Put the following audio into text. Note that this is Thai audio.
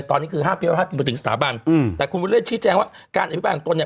แต่ตอนนี้คือ๕พิพัฒน์มาถึงสถาบันแต่คุณวิทยาลัยชิดแจ้งว่าการอภิกษาของตน